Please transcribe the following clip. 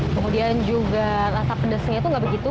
kemudian juga rasa pedasnya itu nggak begitu